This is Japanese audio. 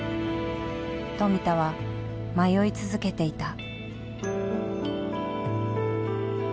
富田は迷い続けていた。